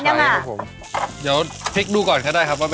อยากรู้ว่าแบบแบบ